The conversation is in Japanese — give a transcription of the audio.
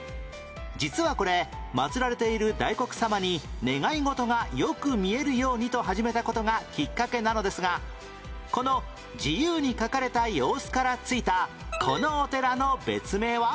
実はこれまつられている大黒様に願い事がよく見えるようにと始めた事がきっかけなのですがこの自由に書かれた様子からついたこのお寺の別名は？